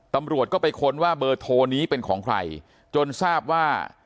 ตำรวจก็ไปค้นว่าเบอร์โทรนี้เป็นของใครจนทราบว่า